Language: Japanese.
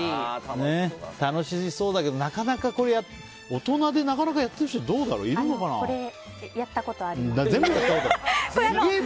楽しそうだけどなかなか大人でやってる人これ、やったことあります。